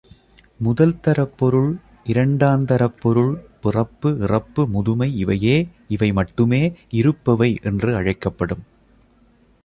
முதல்தரப்பொருள், இரண்டாந்தரப்பொருள், பிறப்பு, இறப்பு, முதுமை இவையே, இவை மட்டுமே, இருப்பவை என்று அழைக்கப்படும்.